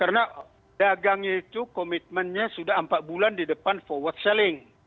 karena dagang itu komitmennya sudah empat bulan di depan forward selling